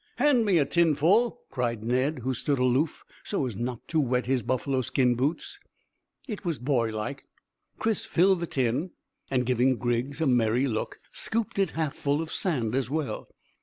"Hand me a tinful," cried Ned, who stood aloof so as not to wet his buffalo skin boots. It was boy like. Chris filled the tin, and giving Griggs a merry look, scooped it half full of sand as well.